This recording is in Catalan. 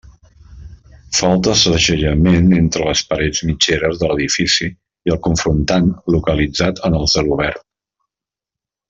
Falta segellament entre les parets mitgeres de l'edifici i el confrontant localitzat en el celobert.